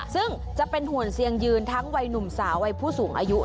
ซึ่งจะเป็นหุ่นเซียงยืนทั้งวัยหนุ่มสาววัยผู้สูงอายุ